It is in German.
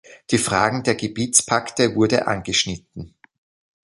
Die Fragen der Gebietspakte wurde angeschnitten.